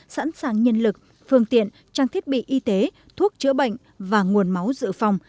sẵn sàng nhân lực phương tiện trang thiết bị y tế thuốc chữa bệnh và nguồn máu dự phòng